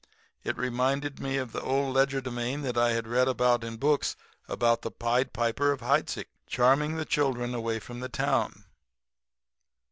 It reminded me of the old legerdemain that I'd read in books about the Pied Piper of Heidsieck charming the children away from the town.